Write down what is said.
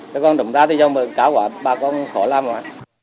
nếu con đụng ra thì cho cả bà con khỏi làm rồi